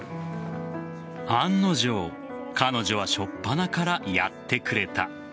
案の定、彼女はしょっぱなからやってくれた。